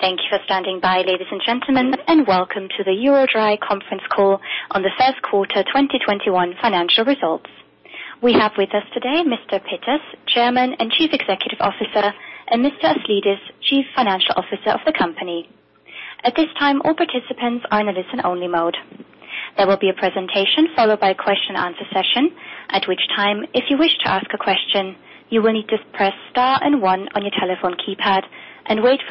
Thank you for standing by, ladies and gentlemen, and welcome to the EuroDry conference call on the first quarter 2021 financial results. We have with us today Mr. Pittas, Chairman and Chief Executive Officer, and Mr. Aslidis, Chief Financial Officer of the company. I must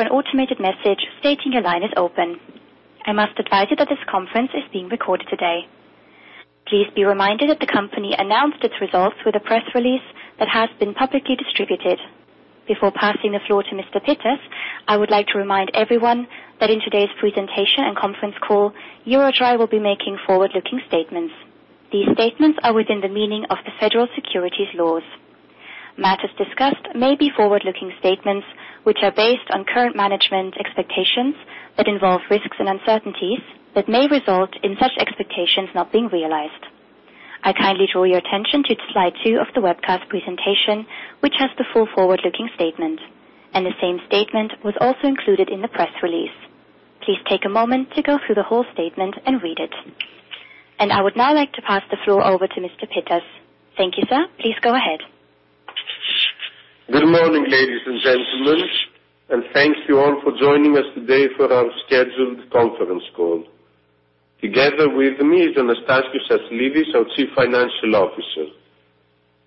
advise you that this conference is being recorded today. Please be reminded that the company announced its results with a press release that has been publicly distributed. Before passing the floor to Mr. Pittas, I would like to remind everyone that in today's presentation and conference call, EuroDry will be making forward-looking statements. These statements are within the meaning of the federal securities laws. Matters discussed may be forward-looking statements, which are based on current management expectations that involve risks and uncertainties that may result in such expectations not being realized. I kindly draw your attention to slide two of the webcast presentation, which has the full forward-looking statement, and the same statement was also included in the press release. Please take a moment to go through the whole statement and read it. I would now like to pass the floor over to Mr. Pittas. Thank you, sir. Please go ahead. Good morning, ladies and gentlemen, and thank you all for joining us today for our scheduled conference call. Together with me is Anastasios Aslidis, our Chief Financial Officer.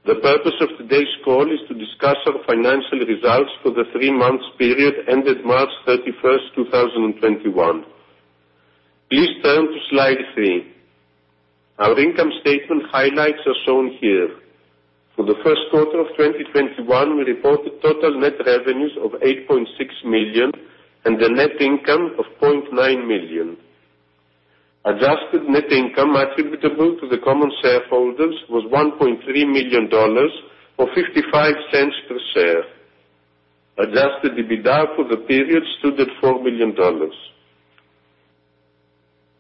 The purpose of today's call is to discuss our financial results for the three-month period ended March 31, 2021. Please turn to slide three. Our income statement highlights are shown here. For the first quarter of 2021, we reported total net revenues of $8.6 million and a net income of $0.9 million. Adjusted net income attributable to the common shareholders was $1.3 million, or $0.55 per share. Adjusted EBITDA for the period stood at $4 million.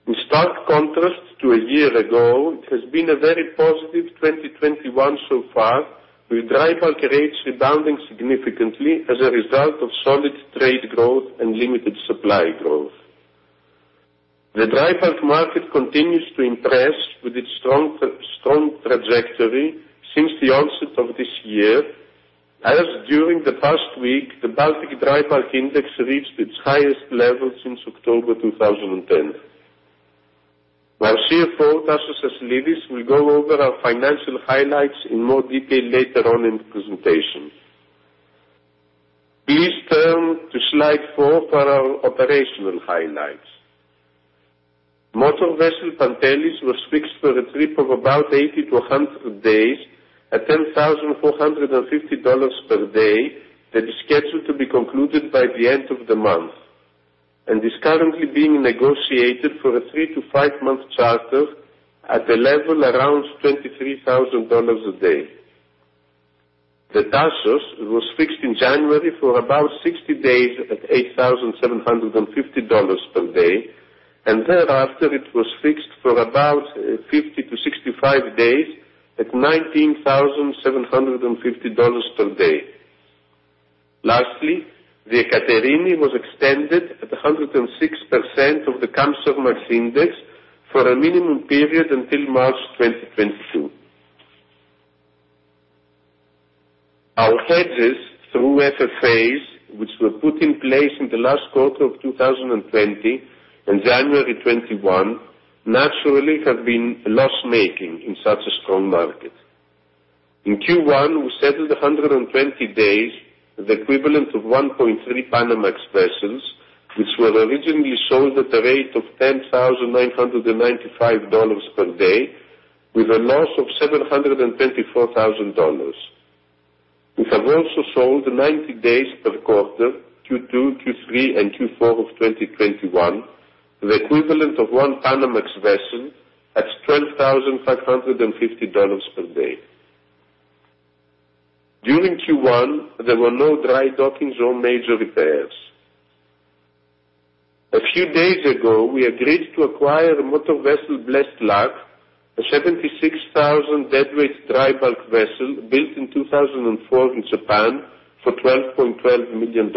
In stark contrast to a year ago, it has been a very positive 2021 so far, with dry bulk rates rebounding significantly as a result of solid trade growth and limited supply growth. The dry bulk market continues to impress with its strong trajectory since the onset of this year, as during the past week, the Baltic Dry Index reached its highest level since October 2010. Our CFO, Anastasios Aslidis, will go over our financial highlights in more detail later on in the presentation. Please turn to slide four for our operational highlights. Motor vessel Pantelis was fixed for a trip of about 80-100 days at $10,450 per day and is scheduled to be concluded by the end of the month, and is currently being negotiated for a three to five-month charter at a level around $23,000 a day. The Tasos was fixed in January for about 60 days at $8,750 per day, and thereafter it was fixed for about 50-65 days at $19,750 per day. Lastly, the Ekaterini was extended at 106% of the Kamsarmax 5TC Index for a minimum period until March 2022. Our hedges through MetaPhase, which were put in place in the last quarter of 2020 and January 2021, naturally have been loss-making in such a strong market. In Q1, we settled 120 days at the equivalent of 1.3 Panamax vessels, which were originally sold at a rate of $10,995 per day with a loss of $724,000. We have also sold 90 days per quarter, Q2, Q3, and Q4 of 2021, the equivalent of one Panamax vessel at $12,550 per day. During Q1, there were no dry dockings or major repairs. A few days ago, we agreed to acquire motor vessel Blessed Luck, a 76,000 deadweight dry bulk vessel built in 2004 in Japan for $12.12 million.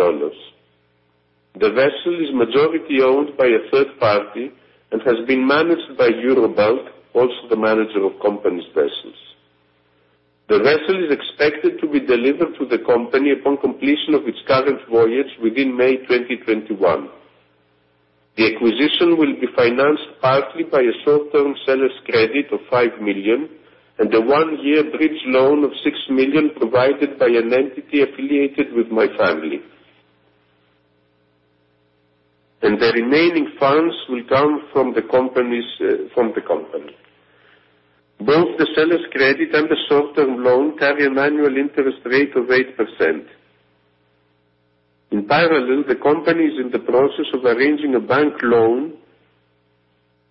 The vessel is majority owned by a third party and has been managed by EuroBulk, also the manager of company's vessels. The vessel is expected to be delivered to the company upon completion of its current voyage within May 2021. The acquisition will be financed partly by a short-term seller's credit of $5 million and a one-year bridge loan of $6 million provided by an entity affiliated with my family. The remaining funds will come from the company. Both the seller's credit and the short-term loan carry an annual interest rate of 8%. In parallel, the company is in the process of arranging a bank loan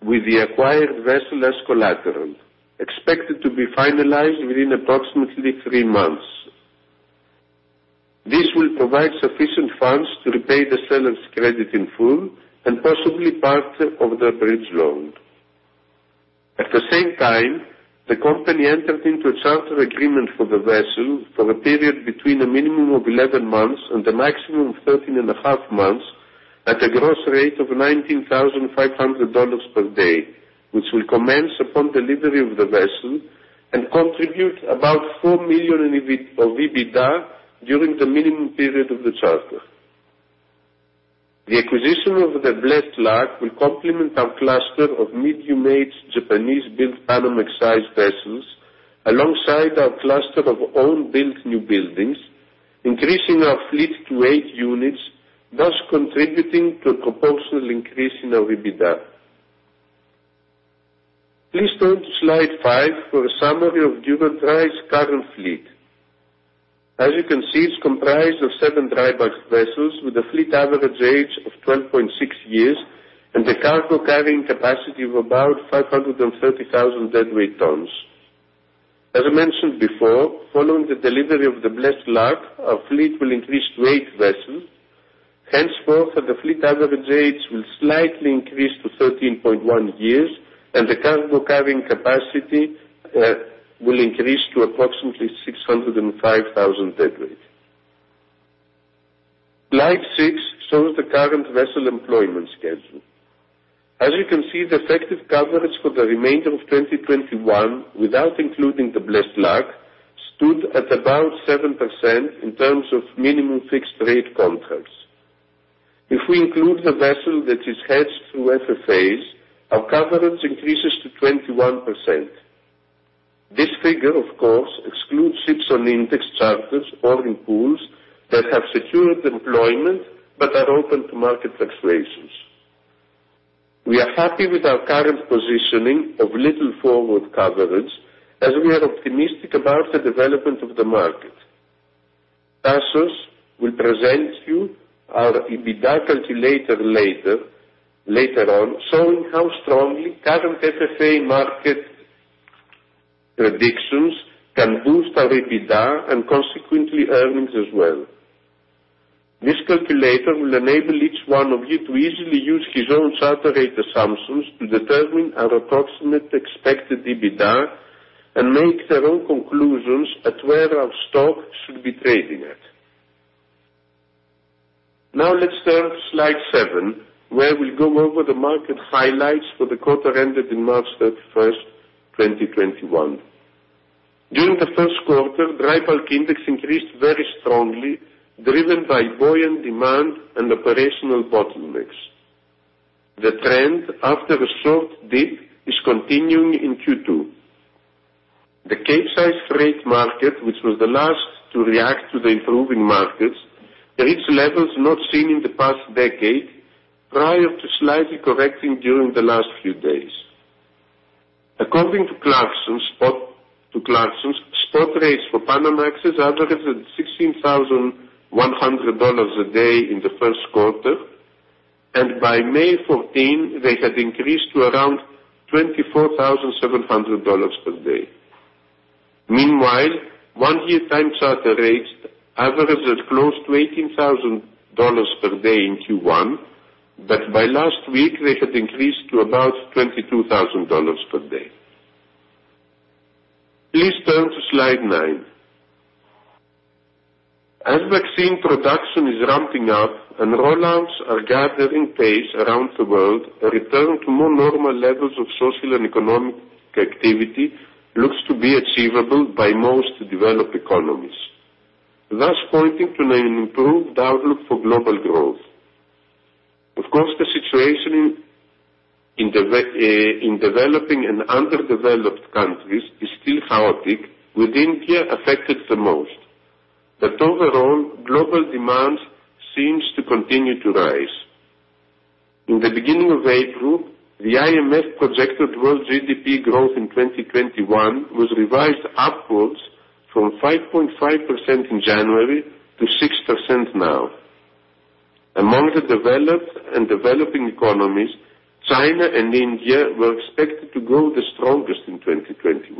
with the acquired vessel as collateral, expected to be finalized within approximately three months. This will provide sufficient funds to repay the seller's credit in full and possibly part of the bridge loan. At the same time, the company entered into a charter agreement for the vessel for a period between a minimum of 11 months and a maximum of 13 and a half months at a gross rate of $19,500 per day, which will commence upon delivery of the vessel and contribute about $4 million of EBITDA during the minimum period of the charter. The acquisition of the Blessed Luck will complement our cluster of medium-age Japanese-built Panamax-sized vessels alongside our cluster of own-built new buildings, increasing our fleet to eight units, thus contributing to a proportional increase in our EBITDA. Please turn to slide five for a summary of EuroDry's current fleet. As you can see, it's comprised of seven dry bulk vessels with a fleet average age of 12.6 years and a cargo carrying capacity of about 530,000 deadweight tons. As I mentioned before, following the delivery of the Blessed Luck, our fleet will increase to eight vessels. Henceforth, the fleet average age will slightly increase to 13.1 years, and the cargo carrying capacity will increase to approximately 605,000 deadweight. Slide six shows the current vessel employment schedule. As you can see, the effective coverage for the remainder of 2021, without including the Blessed Luck, stood at about 7% in terms of minimum fixed-rate contracts. If we include the vessel that is hedged through FFAs, our coverage increases to 21%. This figure, of course, excludes ships on index charters or in pools that have secured employment but are open to market fluctuations. We are happy with our current positioning of little forward coverage, as we are optimistic about the development of the market. Tasos will present you our EBITDA calculator later on, showing how strongly current FFA market predictions can boost our EBITDA and consequently earnings as well. This calculator will enable each one of you to easily use his own charter rate assumptions to determine our approximate expected EBITDA and make their own conclusions at where our stock should be trading at. Let's turn to slide seven, where we'll go over the market highlights for the quarter ended in March 31st, 2021. During the first quarter, dry bulk index increased very strongly, driven by buoyant demand and operational bottlenecks. The trend, after a short dip, is continuing in Q2. The Capesize freight market, which was the last to react to the improving markets, reached levels not seen in the past decade, prior to slightly correcting during the last few days. According to Clarksons, spot rates for Panamax averaged at $16,100 a day in the first quarter, and by May 14, they had increased to around $24,700 per day. Meanwhile, one-year time charter rates averaged at close to $18,000 per day in Q1, but by last week, they had increased to about $22,000 per day. Please turn to slide nine. As vaccine production is ramping up and roll-outs are gathering pace around the world, a return to more normal levels of social and economic activity looks to be achievable by most developed economies, thus pointing to an improved outlook for global growth. Of course, the situation in developing and underdeveloped countries is still chaotic, with India affected the most. Overall, global demand seems to continue to rise. In the beginning of April, the IMF projected world GDP growth in 2021 was revised upwards from 5.5% in January to 6% now. Among the developed and developing economies, China and India were expected to grow the strongest in 2021.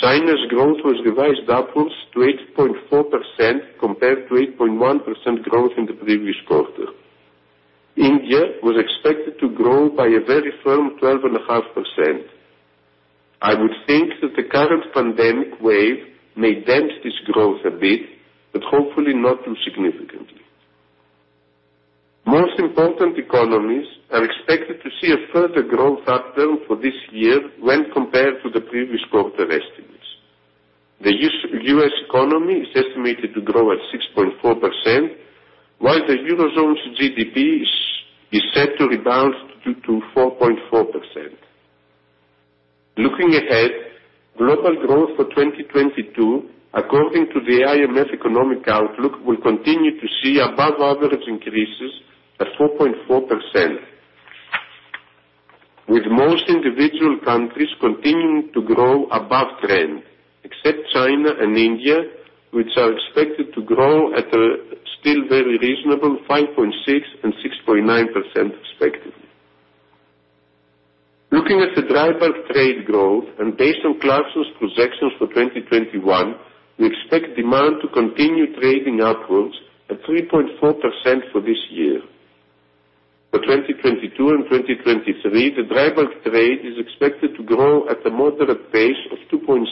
China's growth was revised upwards to 8.4% compared to 8.1% growth in the previous quarter. India was expected to grow by a very firm 12.5%. I would think that the current pandemic wave may damp this growth a bit, but hopefully not too significantly. Most important economies are expected to see a further growth upturn for this year when compared to the previous quarter estimates. The U.S. economy is estimated to grow at 6.4%, while the Eurozone's GDP is set to rebound due to 4.4%. Looking ahead, global growth for 2022, according to the IMF economic outlook, will continue to see above-average increases at 4.4%, with most individual countries continuing to grow above trend, except China and India, which are expected to grow at a still very reasonable 5.6% and 6.9% respectively. Looking at the dry bulk trade growth and based on Clarksons projections for 2021, we expect demand to continue trading upwards at 3.4% for this year. For 2022 and 2023, the dry bulk trade is expected to grow at a moderate pace of 2.6%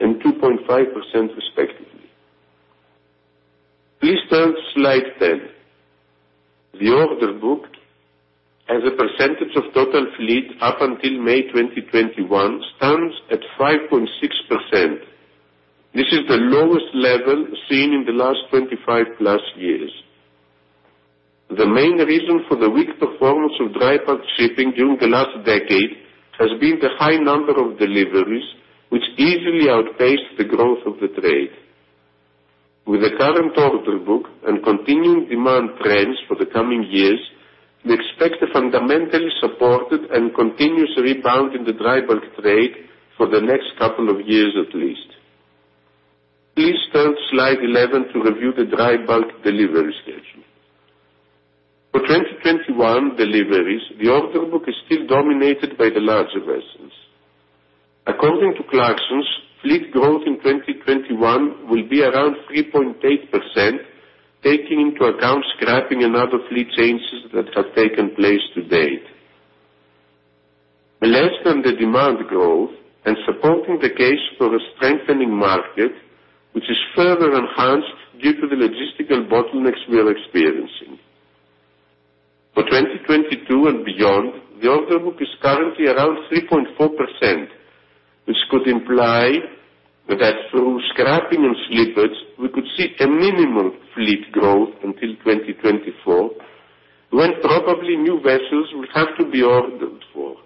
and 2.5% respectively. Please turn to slide 10. The order book as a percentage of total fleet up until May 2021 stands at 5.6%. This is the lowest level seen in the last 25-plus years. The main reason for the weak performance of dry bulk shipping during the last decade has been the high number of deliveries, which easily outpaced the growth of the trade. With the current order book and continuing demand trends for the coming years, we expect a fundamentally supported and continuous rebound in the dry bulk trade for the next couple of years at least. Please turn to slide 11 to review the dry bulk delivery schedule. For 2021 deliveries, the order book is still dominated by the larger vessels. According to Clarksons, fleet growth in 2021 will be around 3.8%, taking into account scrapping and other fleet changes that have taken place to date. Less than the demand growth and supporting the case for a strengthening market, which is further enhanced due to the logistical bottlenecks we are experiencing. For 2022 and beyond, the order book is currently around 3.4%, which could imply that through scrapping and slippage, we could see a minimal fleet growth until 2024, when probably new vessels will have to be ordered for.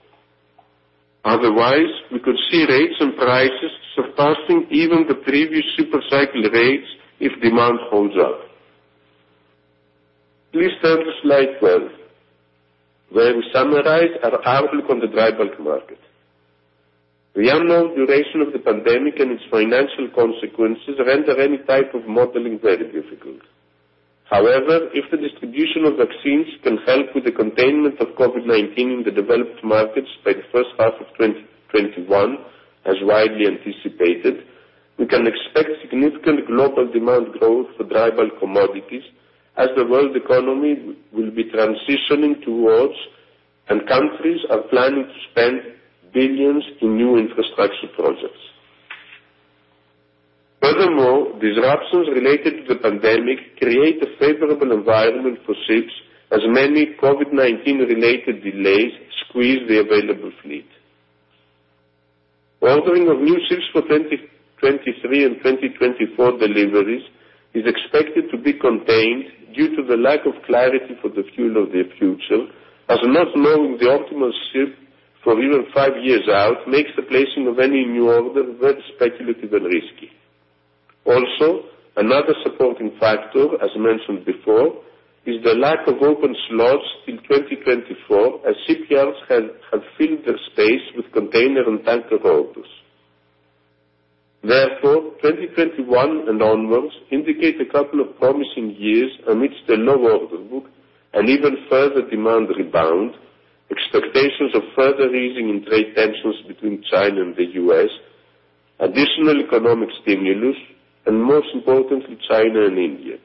Otherwise, we could see rates and prices surpassing even the previous super cycle rates if demand holds up. Please turn to slide 12, where we summarize our outlook on the dry bulk market. The unknown duration of the pandemic and its financial consequences render any type of modeling very difficult. However, if the distribution of vaccines can help with the containment of COVID-19 in the developed markets by the first half of 2021, as widely anticipated, we can expect significant global demand growth for dry bulk commodities as the world economy will be transitioning towards, and countries are planning to spend billions in new infrastructure projects. Furthermore, disruptions related to the pandemic create a favorable environment for ships as many COVID-19 related delays squeeze the available fleet. Ordering of new ships for 2023 and 2024 deliveries is expected to be contained due to the lack of clarity for the fuel of the future, as not knowing the optimal ship for even five years out makes the placing of any new order very speculative and risky. Also, another supporting factor, as mentioned before, is the lack of open slots in 2024, as shipyards have filled their space with container and tanker orders. Therefore, 2021 and onwards indicate a couple of promising years amidst a low order book, an even further demand rebound, expectations of further easing in trade tensions between China and the U.S., additional economic stimulus, and most importantly, China and India.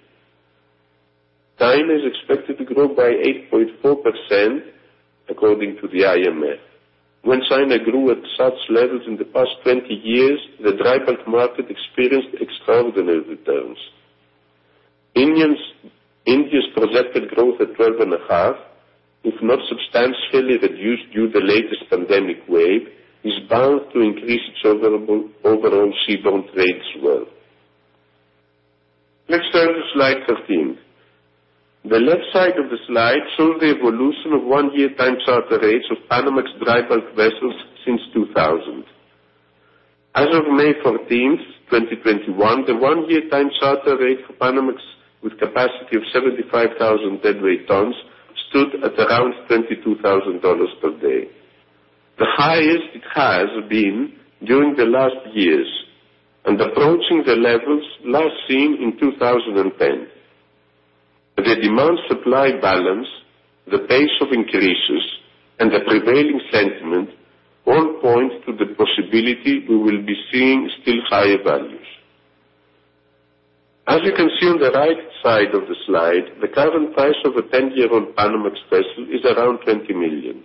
China is expected to grow by 8.4%, according to the IMF. When China grew at such levels in the past 20 years, the dry bulk market experienced extraordinary returns. India's projected growth at 12.5%, if not substantially reduced due the latest pandemic wave, is bound to increase its overall seaborne rates as well. Let's turn to slide 13. The left side of the slide shows the evolution of one-year time charter rates of Panamax dry bulk vessels since 2000. As of May 14th, 2021, the one-year time charter rate for Panamax with capacity of 75,000 deadweight tons stood at around $22,000 per day, the highest it has been during the last years and approaching the levels last seen in 2010. The demand-supply balance, the pace of increases, and the prevailing sentiment all point to the possibility we will be seeing still higher values. As you can see on the right side of the slide, the current price of a 10-year-old Panamax vessel is around $20 million.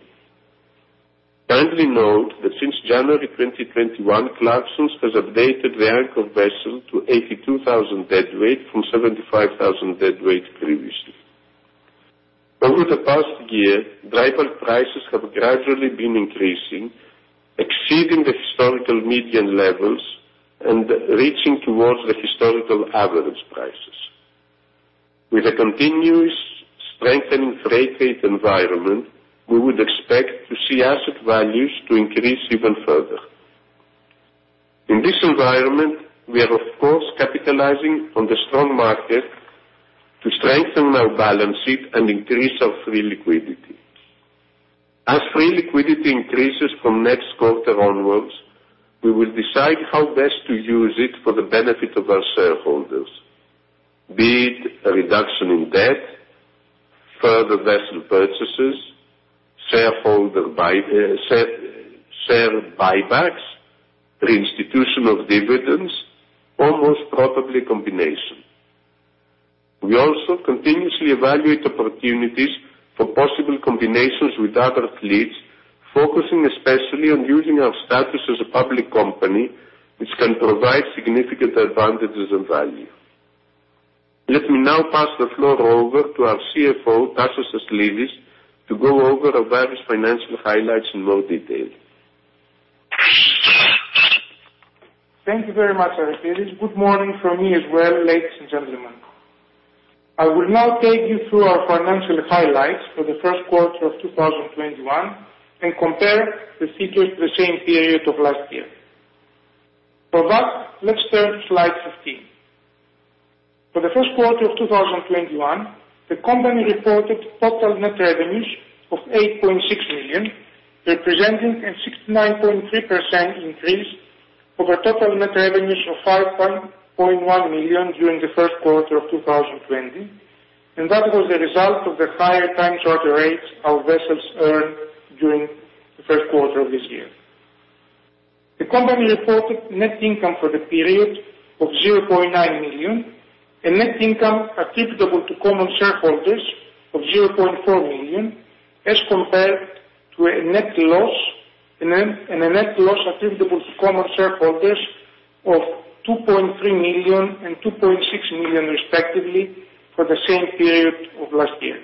Kindly note that since January 2021, Clarksons has updated the anchor vessel to 82,000 deadweight from 75,000 deadweight previously. Over the past year, dry bulk prices have gradually been increasing, exceeding the historical median levels and reaching towards the historical average prices. With a continuous strengthening freight rate environment, we would expect to see asset values to increase even further. In this environment, we are of course capitalizing on the strong market to strengthen our balance sheet and increase our free liquidity. As free liquidity increases from next quarter onwards, we will decide how best to use it for the benefit of our shareholders, be it a reduction in debt, further vessel purchases, share buybacks, reinstitution of dividends, or most probably a combination. We also continuously evaluate opportunities for possible combinations with other fleets, focusing especially on using our status as a public company, which can provide significant advantages and value. Let me now pass the floor over to our CFO, Tasos Aslidis, to go over our various financial highlights in more detail. Thank you very much, Aristides. Good morning from me as well, ladies and gentlemen. I will now take you through our financial highlights for the first quarter of 2021 and compare the figures to the same period of last year. For that, let's turn to slide 15. For the first quarter of 2021, the company reported total net revenues of $8.6 million, representing a 69.3% increase over total net revenues of $5.1 million during the first quarter of 2020. That was a result of the higher time charter rates our vessels earned during the first quarter of this year. The company reported net income for the period of $0.9 million and net income attributable to common shareholders of $0.4 million as compared to a net loss attributable to common shareholders of $2.3 million and $2.6 million, respectively, for the same period of last year.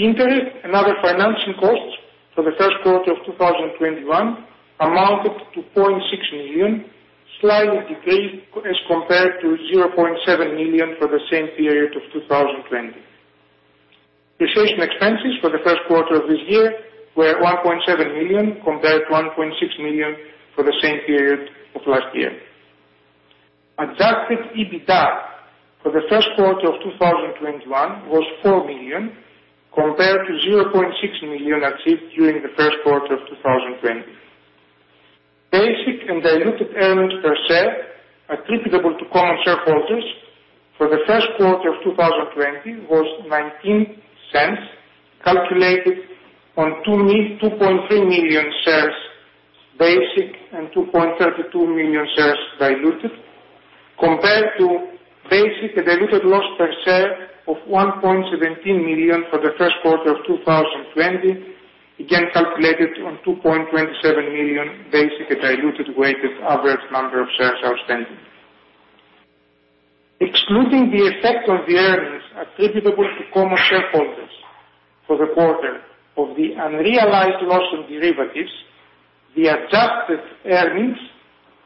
Interest and other financing costs for the first quarter of 2021 amounted to $0.6 million, slightly decreased as compared to $0.7 million for the same period of 2020. Research and expenses for the first quarter of this year were $1.7 million compared to $1.6 million for the same period of last year. Adjusted EBITDA for the first quarter of 2021 was $4 million compared to $0.6 million achieved during the first quarter of 2020. Basic and diluted earnings per share attributable to common shareholders for the first quarter of 2020 was $0.19, calculated on 2.3 million shares basic and 2.32 million shares diluted, compared to basic and diluted loss per share of $1.17 million for the first quarter of 2020, again calculated on 2.27 million basic and diluted weighted average number of shares outstanding. Excluding the effect on the earnings attributable to common shareholders for the quarter of the unrealized loss on derivatives, the adjusted earnings,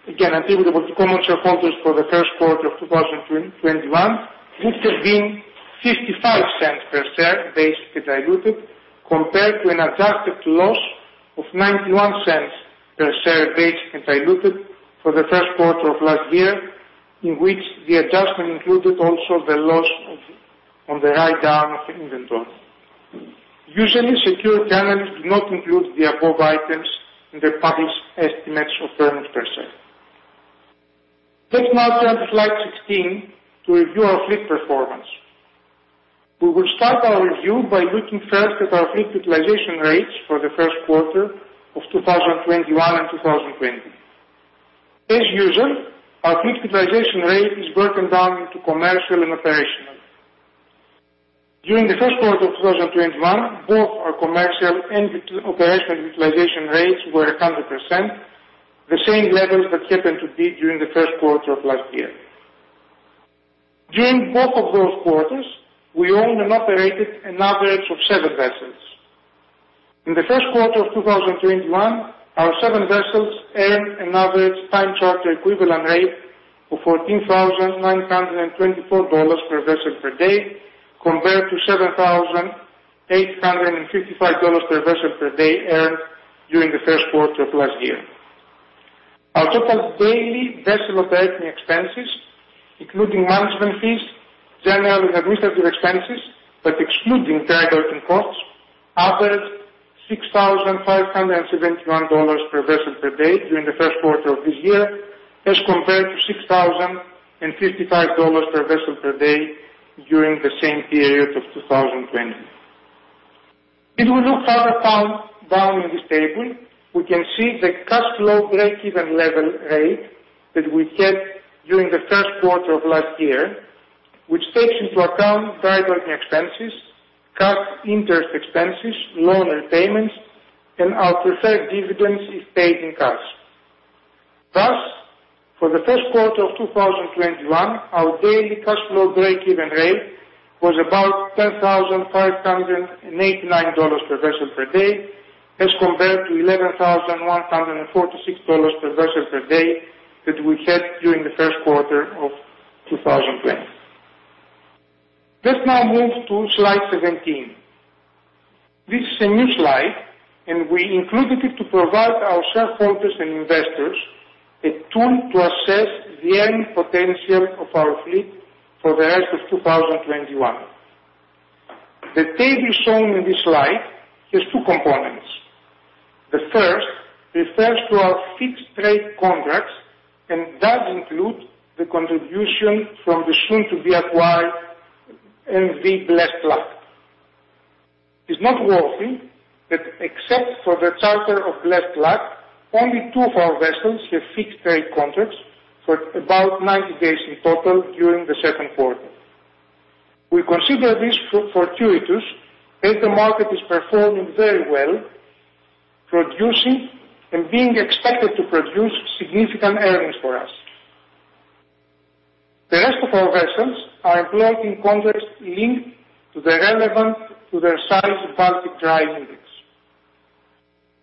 again, attributable to common shareholders for the first quarter of 2021, would have been $0.55 per share, basic and diluted, compared to an adjusted loss of $0.91 per share, basic and diluted, for the first quarter of last year, in which the adjustment included also the loss on the write-down of inventory. Usually, security analysts do not include the above items in their published estimates of earnings per share. Let's now turn to slide 16 to review our fleet performance. We will start our review by looking first at our fleet utilization rates for the first quarter of 2021 and 2020. As usual, our fleet utilization rate is broken down into commercial and operational. During the first quarter of 2021, both our commercial and operational utilization rates were 100%, the same levels that happened to be during the first quarter of last year. During both of those quarters, we owned and operated an average of seven vessels. In the first quarter of 2021, our seven vessels earned an average time charter equivalent rate of $14,924 per vessel per day, compared to $7,855 per vessel per day earned during the first quarter of last year. Our total daily vessel operating expenses, including management fees, general and administrative expenses, but excluding dry docking costs, averaged $6,571 per vessel per day during the first quarter of this year, as compared to $6,055 per vessel per day during the same period of 2020. If we look further down in this table, we can see the cash flow breakeven level rate that we had during the first quarter of last year, which takes into account dry docking expenses, cash interest expenses, loan repayments, and our preferred dividends paid in cash. For the first quarter of 2021, our daily cash flow breakeven rate was about $10,589 per vessel per day as compared to $11,146 per vessel per day that we had during the first quarter of 2020. Let's now move to slide 17. This is a new slide, and we included it to provide our shareholders and investors a tool to assess the earning potential of our fleet for the rest of 2021. The table shown in this slide has two components. The first refers to our fixed rate contracts and does include the contribution from the soon to be acquired MV Blessed Luck. It's noteworthy that except for the charter of Blessed Luck, only two of our vessels have fixed rate contracts for about 90 days in total during the second quarter. We consider this fortuitous as the market is performing very well, producing and being expected to produce significant earnings for us. The rest of our vessels are employed in contracts linked to the relevant to their size Baltic Dry Index.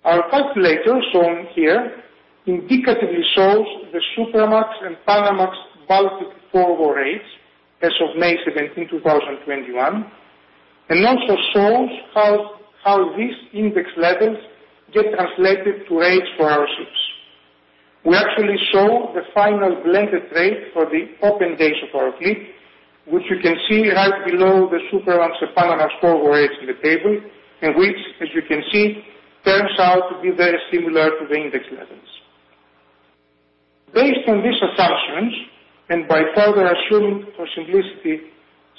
Our calculator, shown here, indicatively shows the Supramax and Panamax Baltic forward rates as of May 17, 2021, and also shows how these index levels get translated to rates for our ships. We actually show the final blended rate for the open days of our fleet, which you can see right below the Supramax and Panamax forward rates in the table, and which, as you can see, turns out to be very similar to the index levels. Based on these assumptions and by further assuming for simplicity,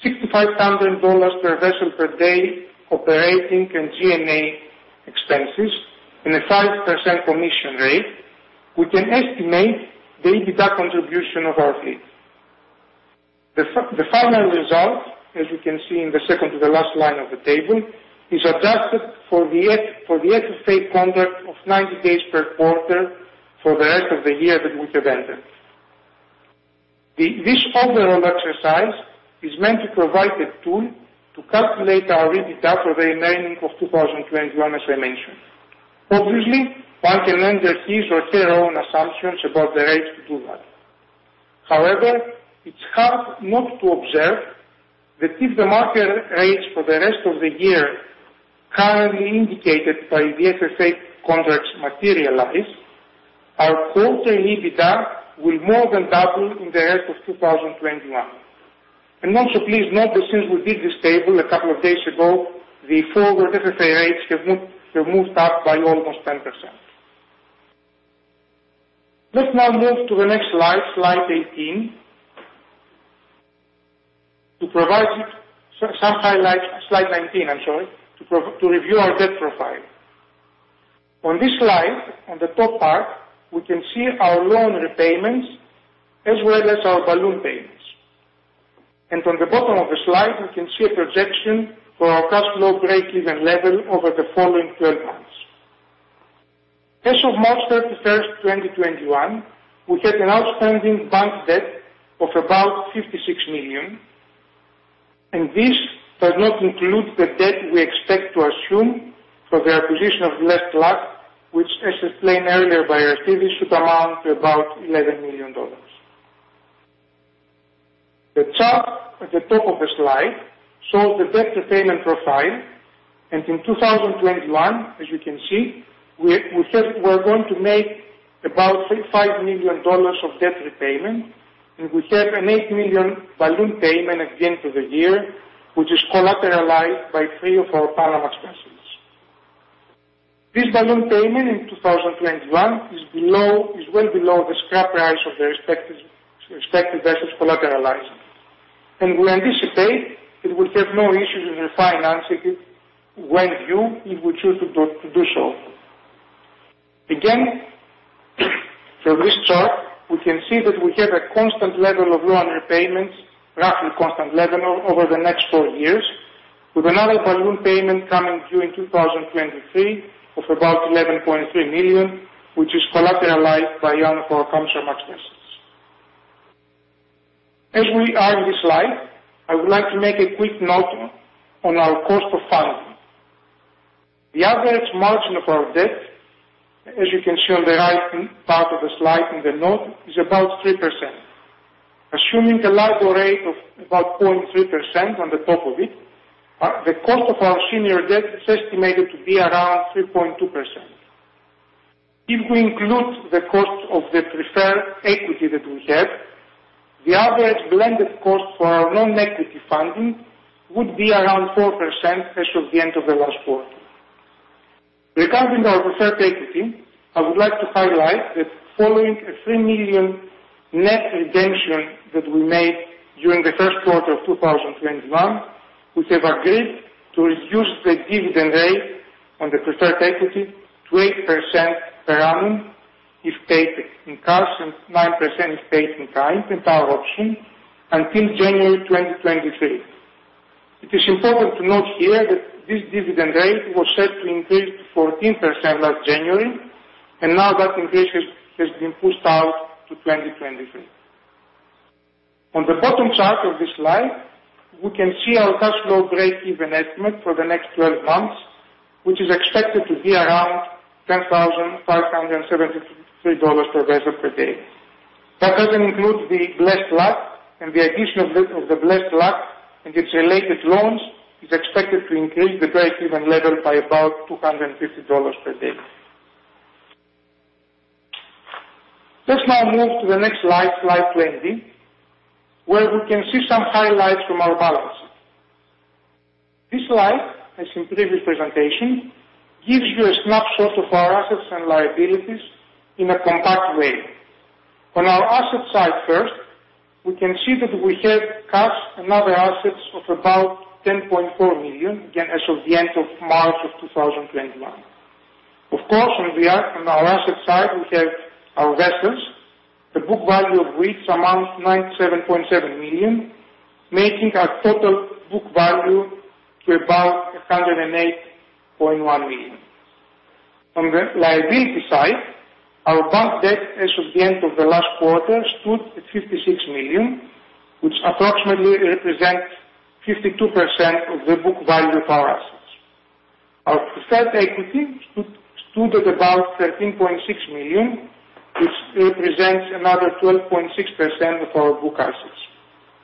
$65,000 per vessel per day operating and G&A expenses and a 5% commission rate, we can estimate the EBITDA contribution of our fleet. The final result, as you can see in the second to the last line of the table, is adjusted for the FFA contract of 90 days per quarter for the rest of the year that we have entered. This overall exercise is meant to provide a tool to calculate our EBITDA for the remaining of 2021, as I mentioned. Obviously, one can enter his or her own assumptions about the rates to do that. It's hard not to observe that if the market rates for the rest of the year currently indicated by the FFA contracts materialize, our quarter EBITDA will more than double in the rest of 2021. Also please note that since we did this table a couple of days ago, the forward FFA rates have moved up by almost 10%. Let's now move to the next slide 18, to provide some highlights. Slide 19, I'm sorry, to review our debt profile. On this slide, on the top half, we can see our loan repayments as well as our balloon payments. On the bottom of the slide, we can see a projection for our cash flow breakeven level over the following 12 months. As of March 31st, 2021, we had an outstanding bank debt of about $56 million, and this does not include the debt we expect to assume for the acquisition of Blessed Luck, which as explained earlier by Aristides, should amount to about $11 million. The chart at the top of the slide shows the debt repayment profile, and in 2021, as you can see, we're going to make about $5 million of debt repayment, and we have an $8 million balloon payment at the end of the year, which is collateralized by three of our Panamax vessels. This balloon payment in 2021 is well below the scrap price of the respective vessels collateralizing. We anticipate that we'll have no issues in refinancing it when due if we choose to do so. Again, from this chart, we can see that we have a constant level of loan repayments, roughly constant level over the next four years, with another balloon payment coming due in 2023 of about $11.3 million, which is collateralized by one of our Panamax vessels. As we are in this slide, I would like to make a quick note on our cost of funding. The average margin of our debt, as you can see on the right part of the slide in the note, is about 3%. Assuming a LIBOR rate of about 0.3% on the top of it, the cost of our senior debt is estimated to be around 3.2%. If we include the cost of the preferred equity that we have, the average blended cost for our non-equity funding would be around 4% as of the end of the last quarter. Regarding our preferred equity, I would like to highlight that following a $3 million net redemption that we made during the first quarter of 2021, we have agreed to reduce the dividend rate on the preferred equity to 8% per annum if paid in cash and 9% if paid in kind with our option until January 2023. It is important to note here that this dividend rate was set to increase to 14% last January, and now that increase has been pushed out to 2023. On the bottom chart of this slide, we can see our cash flow breakeven estimate for the next 12 months, which is expected to be around $10,573 per vessel per day. That doesn't include the Blessed Luck and the addition of the Blessed Luck and its related loans is expected to increase the breakeven level by about $250 per day. Let's now move to the next slide 20, where we can see some highlights from our balance sheet. This slide, as in previous presentation, gives you a snapshot of our assets and liabilities in a compact way. On our asset side first, we can see that we have cash and other assets of about $10.4 million as of the end of March 2021. Of course, on our asset side, we have our vessels, the book value of which amounts to $97.7 million, making our total book value to about $108.1 million. On the liability side, our bond debt as of the end of the last quarter stood at $56 million, which approximately represents 52% of the book value of our assets. Our preferred equity stood at about $13.6 million, which represents another 12.6% of our book assets,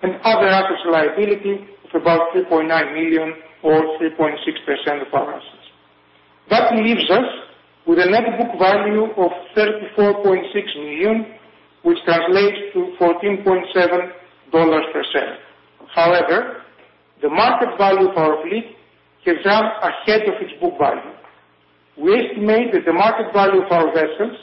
and other assets liability of about $3.9 million or 3.6% of our assets. That leaves us with a net book value of $34.6 million, which translates to $14.7 per share. However, the market value of our fleet has jumped ahead of its book value. We estimate that the market value of our vessels,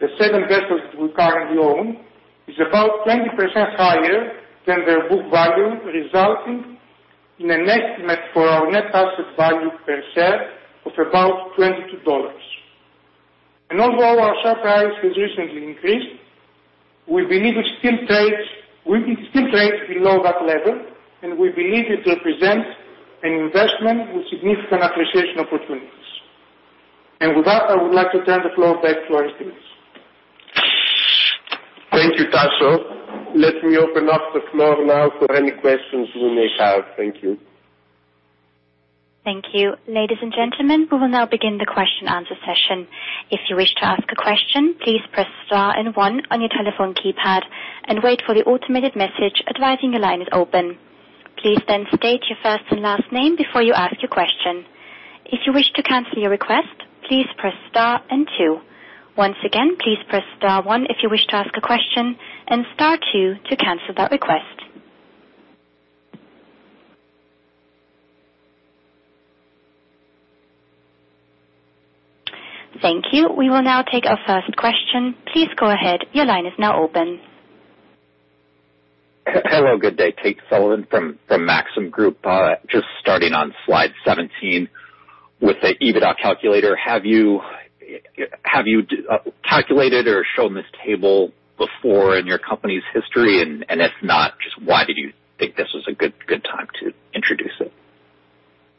the seven vessels that we currently own, is about 20% higher than their book value, resulting in an estimate for our net asset value per share of about $22. Although our share price has recently increased, we believe it still trades below that level, and we believe it represents an investment with significant appreciation opportunities. With that, I would like to turn the floor back to Aristos. Thank you, Taso. Let me open up the floor now for any questions you may have. Thank you. Thank you. Ladies and gentlemen, we will now begin the question and answer session. If you wish to ask a question, please press star and one on your telephone keypad and wait for the automated message advising the line is open. Please then state your first and last name before you ask your question. If you wish to cancel your request, please press star and two. Once again, please press star one if you wish to ask a question and star two to cancel that request. Thank you. We will now take our first question. Please go ahead. Your line is now open. Hello, good day. Tate Sullivan from the Maxim Group. Just starting on slide 17 with the EBITDA calculator. Have you calculated or shown this table before in your company's history? If not, just why do you think this is a good time to introduce it?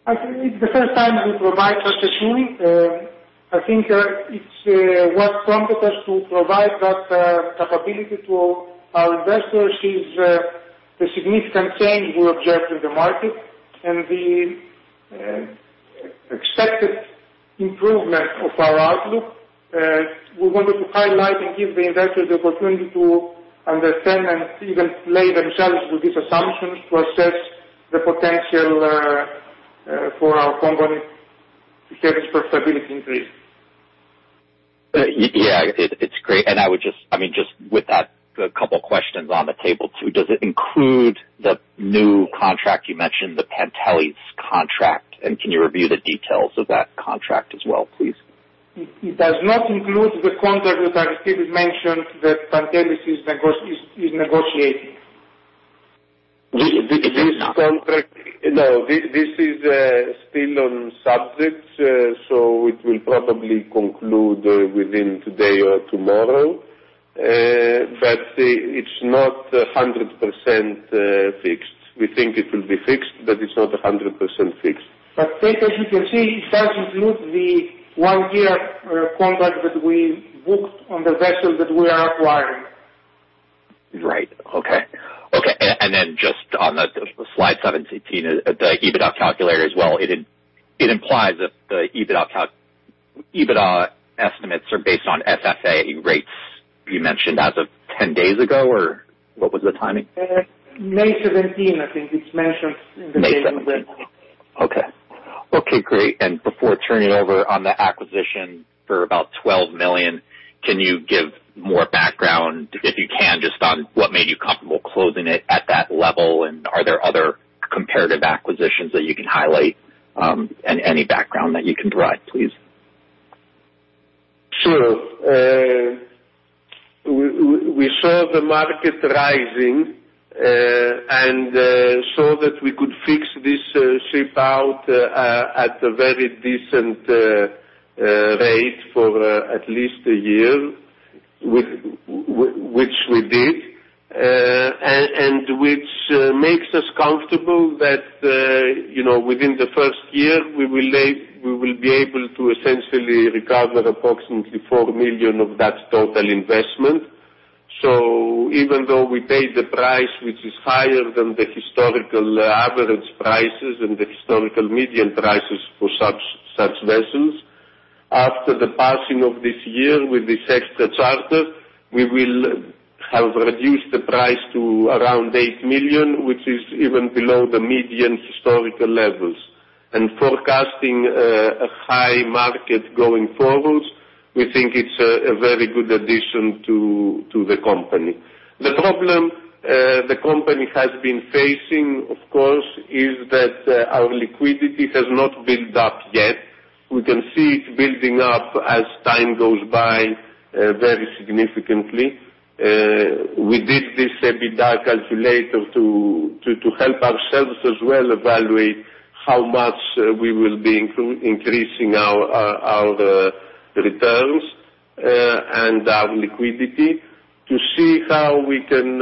I think it's the first time we provide such a tool. I think it's what prompted us to provide that capability to our investors is the significant change we observe in the market and the expected improvement of our outlook. We wanted to highlight and give the investors the opportunity to understand and even play themselves with these assumptions to assess the potential for our company to have this profitability increase. Yeah, it's great. Just with that, a couple questions on the table, too. Does it include the new contract you mentioned, the Pantelis contract, and can you review the details of that contract as well, please? It does not include the contract that Aristos mentioned that Pantelis is negotiating. This contract, no, this is still on subject, so it will probably conclude within today or tomorrow, but it's not 100% fixed. We think it will be fixed, but it's not 100% fixed. Tate, as you can see, it does include the one-year contract that we booked on the vessel that we are acquiring. Right. Okay. Just on the slide 17, the EBITDA calculator as well, it implies that the EBITDA estimates are based on FFA rates. You mentioned as of 10 days ago, or what was the timing? May 17th, I think it's mentioned. May 17th. Okay. Great. Before turning it over on the acquisition for about $12 million, can you give more background, if you can, just on what made you comfortable closing it at that level and are there other comparative acquisitions that you can highlight? Any background that you can provide, please? Sure. We saw the market rising and saw that we could fix this ship out at a very decent rate for at least a year, which we did, and which makes us comfortable that within the first year, we will be able to essentially recover approximately $4 million of that total investment. Even though we paid the price which is higher than the historical average prices and the historical median prices for such vessels, after the passing of this year with this extra charter, we will Have reduced the price to around $8 million, which is even below the median historical levels. Forecasting a high market going forward, we think it's a very good addition to the company. The problem the company has been facing, of course, is that our liquidity has not built up yet. We can see it building up as time goes by very significantly. We did this EBITDA calculator to help ourselves as well evaluate how much we will be increasing our returns and our liquidity to see how we can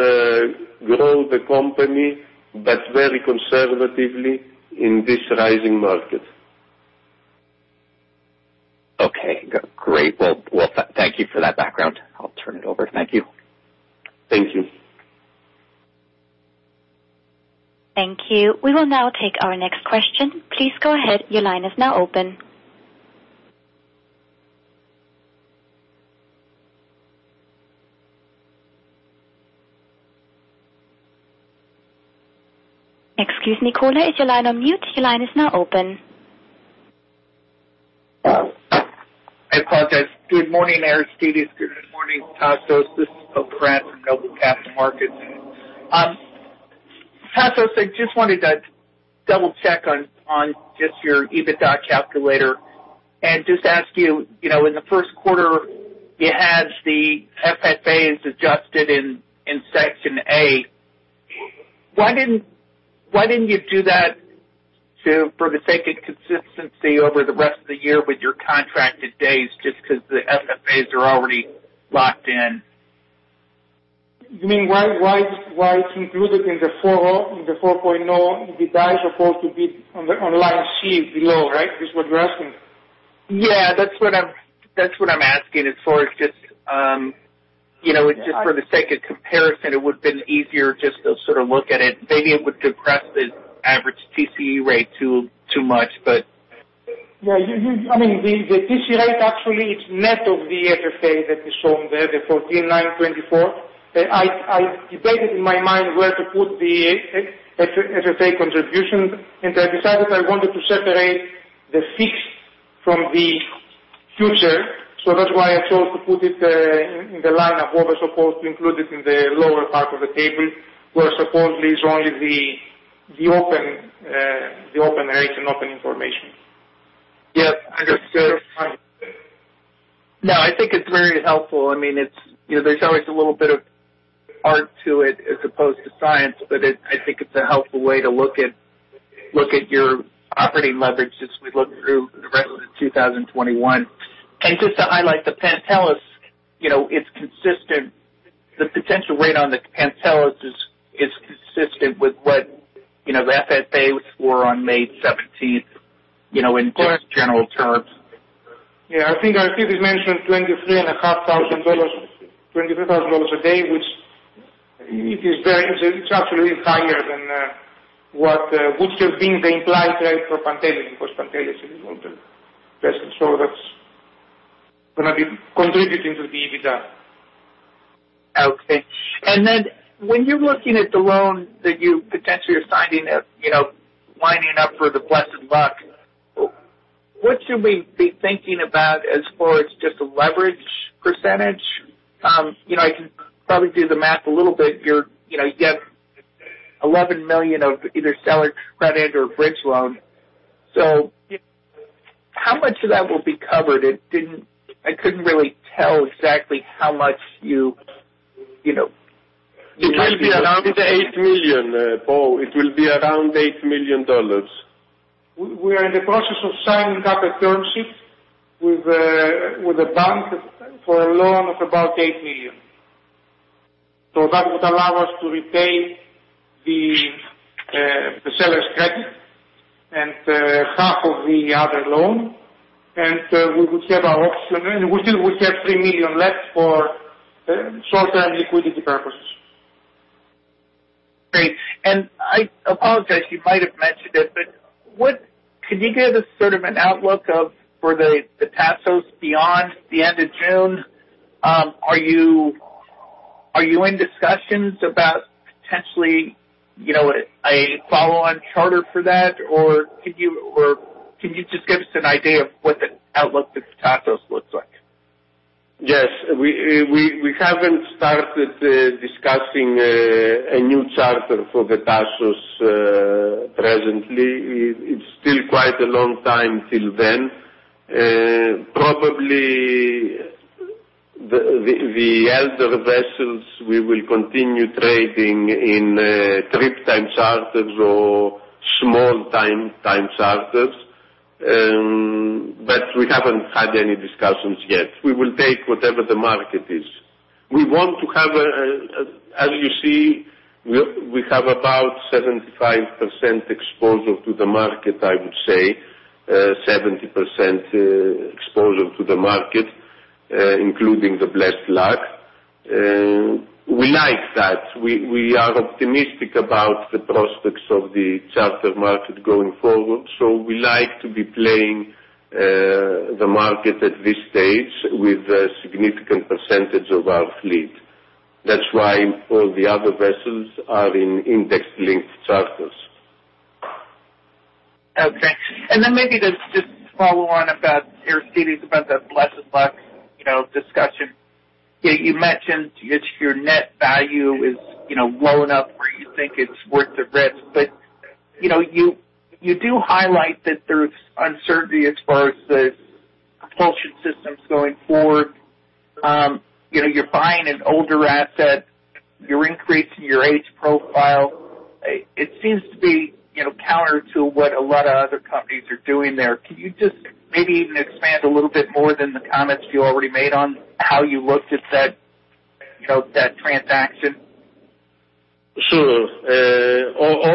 grow the company, but very conservatively in this rising market. Okay, great. Thank you for that background. I'll turn it over. Thank you. Thank you. Thank you. We will now take our next question. Please go ahead. Your line is now open. Excuse me, Poe. Is your line on mute? Your line is now open. I apologize. Good morning, Aristides. Good morning, Tasos. This is Poe Fratt from Noble Capital Markets. Tasos, I just wanted to double check on just your EBITDA calculator and just ask you, in the first quarter, it has the FFAs adjusted in section A. Why didn't you do that for the sake of consistency over the rest of the year with your contracted days just because the FFAs are already locked in? You mean, why it's included in the 4.0? The DA is supposed to be on line C below, right? Is what you're asking? Yeah, that's what I'm asking as far as just for the sake of comparison, it would've been easier just to sort of look at it. Maybe it would depress the average TCE rate too much. Yeah. The TCE rate actually is net of the FFA that is shown there, the $14,924. I debated in my mind where to put the FFA contributions, and I decided I wanted to separate the fixed from the future. That's why I chose to put it in the line above, as opposed to include it in the lower part of the table, where supposedly it's only the open information. Yes, understood. I think it's very helpful. There's always a little bit of art to it as opposed to science, but I think it's a helpful way to look at your operating leverage as we look through the rest of 2021. Just to highlight the Pantelis, the potential rate on the Pantelis is consistent with what the FFAs were on May 17th in just general terms. Yeah, I think Aristides mentioned $23,500 a day, which it's actually higher than what would have been the implied rate for Pantelis because Pantelis is an older vessel. That's going to be contributing to the EBITDA. Okay. When you're looking at the loan that you potentially are signing up, lining up for the Blessed Luck, what should we be thinking about as far as just the leverage percentage? I can probably do the math a little bit. You have $11 million of either seller's credit or bridge loan. How much of that will be covered? I couldn't really tell exactly how much you. It will be around $8 million, Poe Fratt. It will be around $8 million. We are in the process of signing up a term sheet with a bank for a loan of about $8 million. That would allow us to repay the seller's credit and half of the other loan. We would have our option. We still would have $3 million left for short-term liquidity purposes. Great. I apologize, you might have mentioned it, but can you give us sort of an outlook for the Tasos beyond the end of June? Are you in discussions about potentially a follow-on charter for that? Can you just give us an idea of what the outlook for Tasos looks like? Yes. We haven't started discussing a new charter for the Tasos presently. It's still quite a long time till then. Probably, the elder vessels we will continue trading in trip time charters or small time charters. We haven't had any discussions yet. We will take whatever the market is. As you see, we have about 75% exposure to the market, I would say, 70% exposure to the market, including the Blessed Luck. We like that. We are optimistic about the prospects of the charter market going forward. We like to be playing The market at this stage with a significant percentage of our fleet. That's why all the other vessels are in index-linked charters. Okay. Maybe just to follow on about your comments about that Blessed Luck discussion. You mentioned that your net value is low enough where you think it's worth the risk, but you do highlight that there's uncertainty as far as the propulsion systems going forward. You're buying an older asset, you're increasing your age profile. It seems to be counter to what a lot of other companies are doing there. Can you just maybe even expand a little bit more than the comments you already made on how you looked at that transaction? Sure.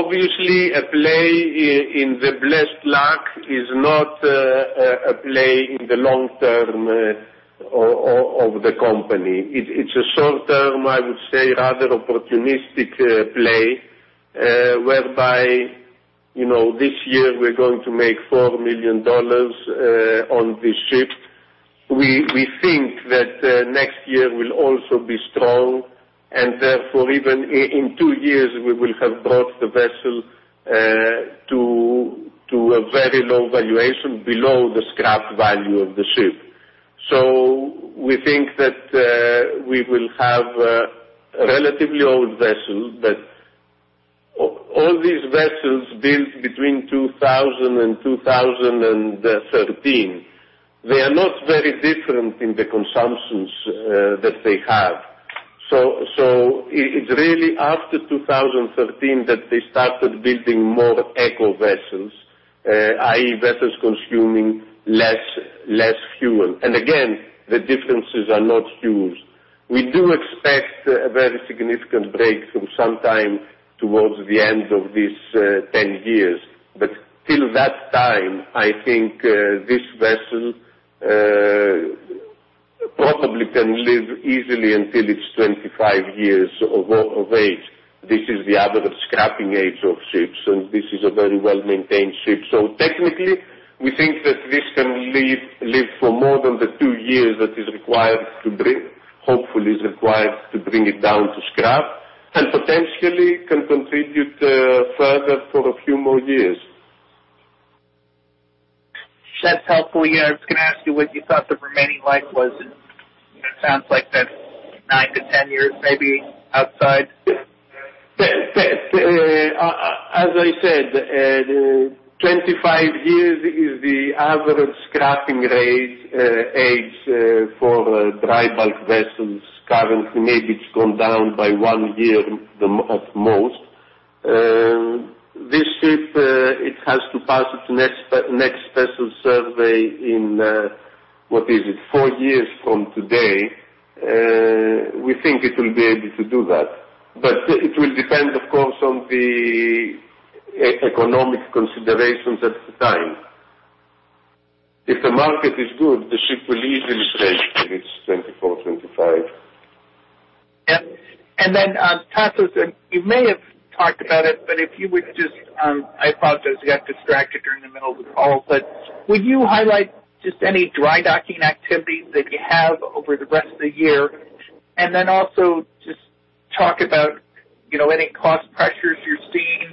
Obviously, a play in the Blessed Luck is not a play in the long term of the company. It's a short-term, I would say, rather opportunistic play, whereby this year we're going to make $4 million on this ship. We think that next year will also be strong, therefore even in two years, we will have brought the vessel to a very low valuation below the scrap value of the ship. We think that we will have a relatively old vessel, but all these vessels built between 2000 and 2013, they are not very different in the consumptions that they have. It's really after 2013 that they started building more eco vessels, i.e., vessels consuming less fuel. Again, the differences are not huge. We do expect a very significant breakthrough sometime towards the end of these 10 years. Till that time, I think this vessel probably can live easily until it's 25 years of age. This is the average scrapping age of ships, and this is a very well-maintained ship. Technically, we think that this can live for more than the two years that is required to bring it down to scrap, and potentially can contribute further for a few more years. Just hopefully, I was going to ask you what you thought the remaining life was. It sounds like nine to 10 years, maybe, outside. As I said, 25 years is the average scrapping age for dry bulk vessels. Currently, it has gone down by one year at most. This ship, it has to pass its next vessel survey in, what is it, four years from today. We think it will be able to do that. It will depend, of course, on the economic considerations at the time. If the market is good, the ship will easily trade when it's 24, 25. Tasos, and you may have talked about it, but if you would just, I apologize, got distracted during the middle of the call, but would you highlight just any dry docking activities that you have over the rest of the year? Also just talk about any cost pressures you're seeing,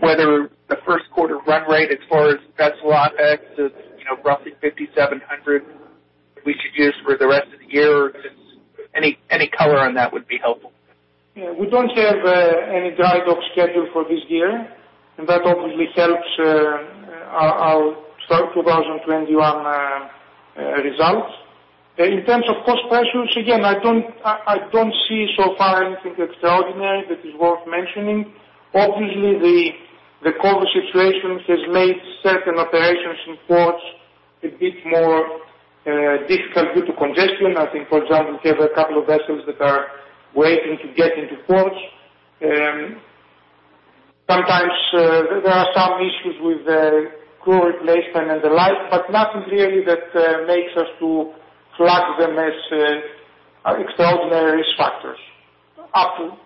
whether the first quarter run rate as far as vessel OpEx is roughly $5,700 we should use for the rest of the year. Any color on that would be helpful. We don't have any dry dock schedule for this year, and that obviously helps our 2021 results. In terms of cost pressures, again, I don't see so far anything extraordinary that is worth mentioning. Obviously, the COVID situation has made certain operations in ports a bit more difficult due to congestion. I think, for example, we have a couple of vessels that are waiting to get into ports. Sometimes there are some issues with crew replacement and the like, but nothing really that makes us to flag them as extraordinary risk factors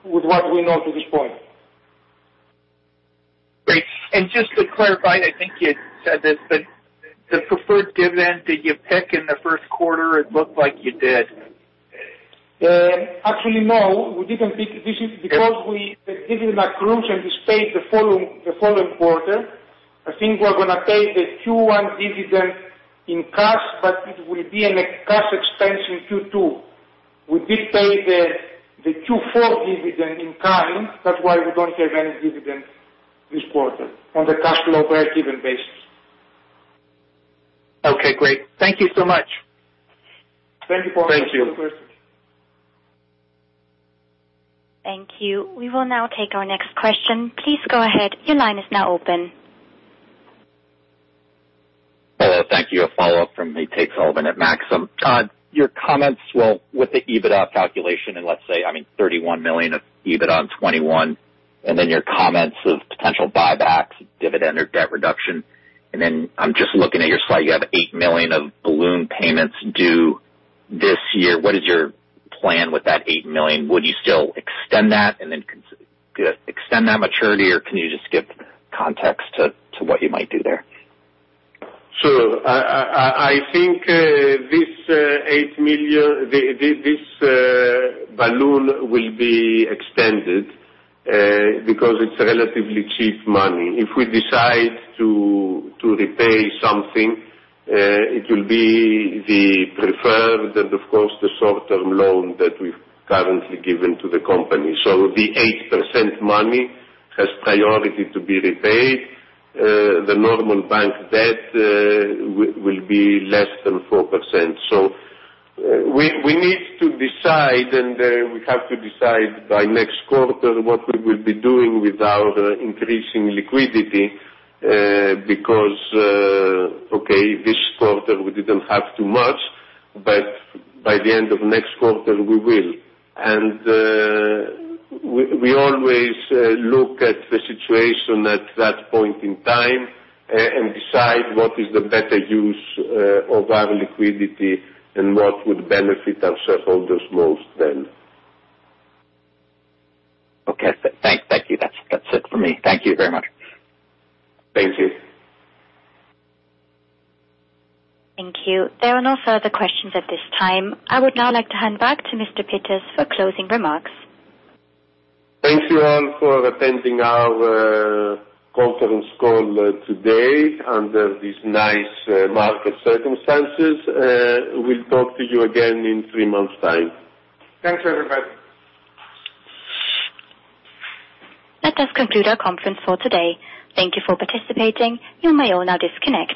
with what we know to this point. Great. Just to clarify, I think you had said this, the preferred dividend that you took in the first quarter, it looked like you did? Actually, no, we didn't take a dividend because we did an accruals and just paid the following quarter. I think we're going to pay the Q1 dividend in cash, but it will be a cash expense in Q2. We did pay the Q4 dividend in kind. That's why we don't have any dividend this quarter on a cash flow break-even basis. Okay, great. Thank you so much. Thank you for your question. Thank you. Thank you. We will now take our next question. Please go ahead. Your line is now open. Hello, thank you. A follow-up from the Maxim. Your comments, well, with the EBITDA calculation, and let's say, I mean, $31 million of EBITDA on 2021, and then your comments of potential buybacks, dividend, or debt reduction. I'm just looking at your slide, you have $8 million of balloon payments due this year. What is your plan with that $8 million? Would you still extend that maturity, or can you just give context to what you might do there? I think this $8 million, this balloon will be extended because it's relatively cheap money. If we decide to repay something, it will be the preferred and of course, the short-term loan that we've currently given to the company. The 8% money has priority to be repaid. The normal bank debt will be less than 4%. We need to decide, and we have to decide by next quarter what we will be doing with our increasing liquidity because, okay, this quarter we didn't have too much, but by the end of next quarter, we will. We always look at the situation at that point in time and decide what is the better use of our liquidity and what would benefit our shareholders most then. Okay. Thank you. That's it for me. Thank you very much. Thank you. Thank you. There are no further questions at this time. I would now like to hand back to Mr. Pittas for closing remarks. Thank you all for attending our conference call today under these nice market circumstances. We'll talk to you again in three months' time. Thanks, everybody. That does conclude our conference for today. Thank you for participating. You may now disconnect.